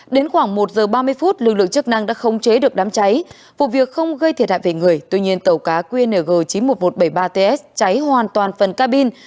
đến khoảng một giờ ba mươi phút lực lượng chức năng đã khống chế được đám cháy vụ việc không gây thiệt hại về người tuy nhiên tàu cá qng chín mươi một nghìn một trăm bảy mươi ba ts cháy hoàn toàn phần cabin